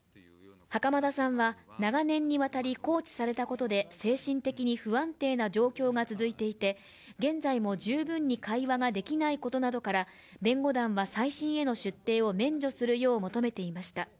袴田さんは長年にわたって拘置されたことで精神的に不安定な状況が続いていて現在も十分に会話ができないことなどから、弁護団は再審への出廷を免除するよう求めていました。